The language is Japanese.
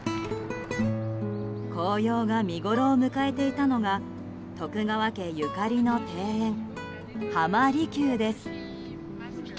紅葉が見ごろを迎えていたのが徳川家ゆかりの庭園浜離宮です。